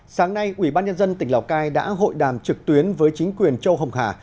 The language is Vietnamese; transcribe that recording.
sáng nay ủy ban nhân dân tỉnh lào cai đã hội đàm trực tuyến với chính quyền châu hồng hà